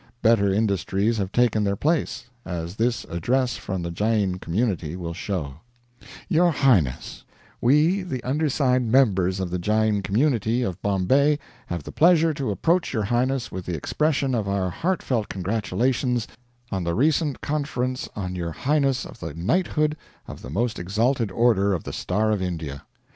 Better industries have taken their place, as this Address from the Jain community will show: "Your Highness, We the undersigned members of the Jain community of Bombay have the pleasure to approach your Highness with the expression of our heartfelt congratulations on the recent conference on your Highness of the Knighthood of the Most Exalted Order of the Star of India.